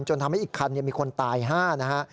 ทำให้อีกคันมีคนตาย๕นะฮะ